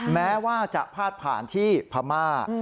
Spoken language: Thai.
แม้ว่าจะพาดผ่านที่พม่า